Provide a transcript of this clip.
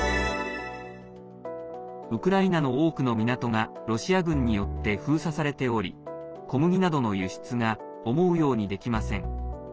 ウクライナの多くの港がロシア軍によって封鎖されており小麦などの輸出が思うようにできません。